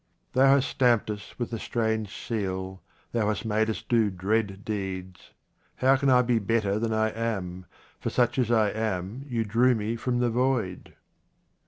Thou hast stamped us with a strange seal, Thou hast made us do dread deeds. How can I be better than I am, for such as I am you drew me from the void ?